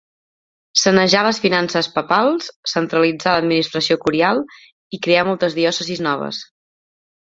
Sanejà les finances papals, centralitzà l'administració curial i creà moltes diòcesis noves.